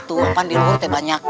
itu apaan di rute banyak